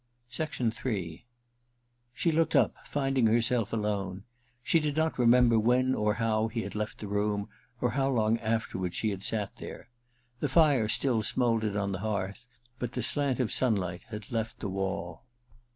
Ill She looked up, finding herself alone. She did not remember when or how he had left the room, or how long afterward she had sat there. The fire still smouldered on the hearth, but the slant of sunlight had left the wall.